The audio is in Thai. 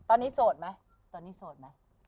ตอนนี้โสดมั้ย